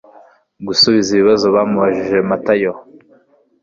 gusubiza ibibazo bamubajije Matayo